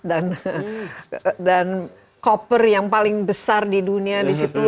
dan copper yang paling besar di dunia di situ